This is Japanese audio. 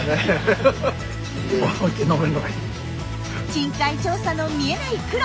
深海調査の見えない苦労。